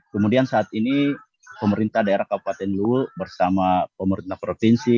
kemudian saat ini pemerintah daerah kabupaten luwuk bersama pemerintah provinsi